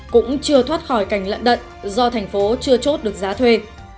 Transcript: cũng chưa thoát khỏi cảnh lặn đận do thành phố chưa chốt được giá thuê